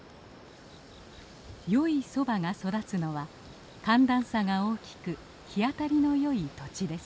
よいソバが育つのは寒暖差が大きく日当たりのよい土地です。